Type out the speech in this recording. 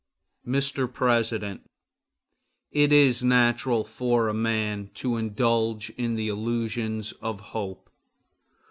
Mr. President, it is natural for man to indulge in the illusions of hope.